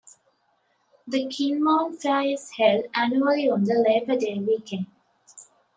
The Kinmount Fair is held annually on the Labour Day weekend.